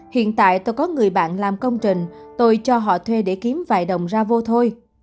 hiện tại tôi có người bạn làm công trình tôi cho họ thuê để kiếm vài đồng ra vô thôi